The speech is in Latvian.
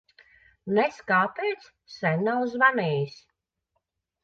Nez kāpēc sen nav zvanījis.